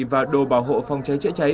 và đồ bảo hộ phòng cháy cháy cháy